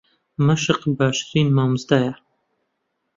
مەشق باشترین مامۆستایە.